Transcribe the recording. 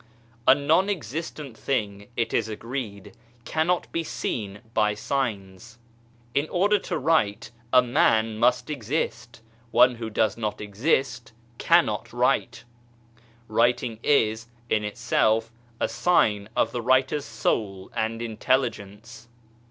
A non existent thing, it is agreed, cannot be seen by signs. In order to write a man must exist one who does not exist cannot write. Writing is, in itself, a sign of the writer's soul and intelligence.